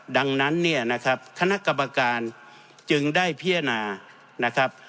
ดังนั้นเนี่ยนะครับคณะกรรมการจึงได้พิจารณานะครับ